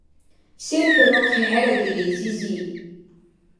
Сен хӀу рахъхӀи хӀеракӀири, зизи?